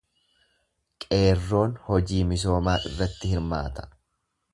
Qeerroon hojii misoomaa irratti hirmaata.